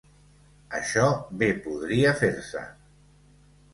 Això bé podria fer-se.